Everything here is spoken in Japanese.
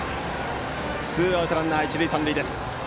ツーアウトランナー、一塁三塁。